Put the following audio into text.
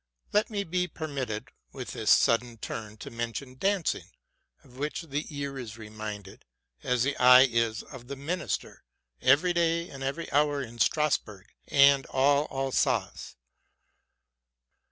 Let me be per mitted, with this sudden turn, to mention dancing, of which the ear is reminded, as the eye is of the minster, every day and every hour in Strasburg and all Alsace.